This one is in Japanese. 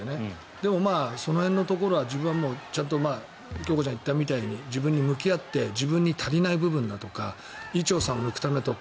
でも、その辺のところは自分はちゃんと京子ちゃんが言ったみたいに自分に向き合って自分に足りない部分だとか伊調さんを抜くためとか。